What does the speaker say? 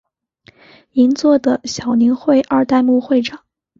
银座的小林会二代目会长。